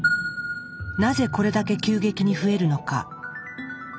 なぜこれだけ急激に増えるのか？